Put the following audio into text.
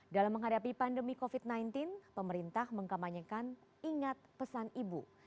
dalam menghadapi pandemi covid sembilan belas pemerintah mengkampanyekan ingat pesan ibu